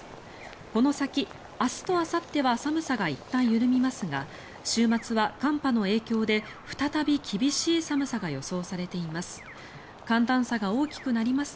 この先、明日とあさっては寒さがいったん緩みますが週末は寒波の影響で再び厳しい寒さが予想されています。